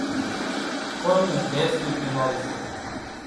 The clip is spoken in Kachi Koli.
ڪونئين نين گھيس نِي ڀِيمارِي سي۔